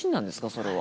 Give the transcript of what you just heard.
それは。